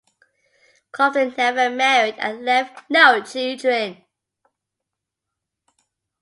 Clopton never married and left no children.